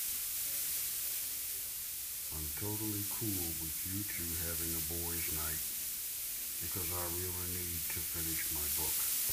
I am totally cool with you two having a boys' night because I really need to finish my book.